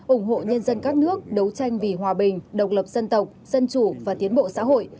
ủng hộ nhân dân các nước đấu tranh vì hòa bình độc lập dân tộc dân chủ và tiến bộ xã hội